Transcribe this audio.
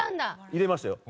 入れましたよ